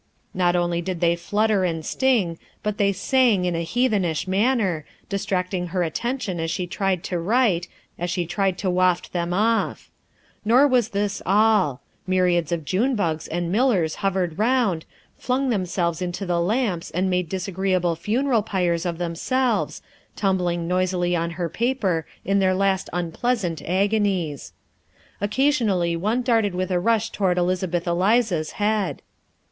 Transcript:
Not only did they flutter and sting, but they sang in a heathenish manner, distracting her attention as she tried to write, as she tried to waft them off. Nor was this all. Myriads of June bugs and millers hovered round, flung themselves into the lamps, and made disagreeable funeral pyres of themselves, tumbling noisily on her paper in their last unpleasant agonies. Occasionally one darted with a rush toward Elizabeth Eliza's head.